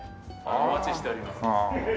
お待ちしております。